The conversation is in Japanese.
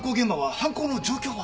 犯行の状況は？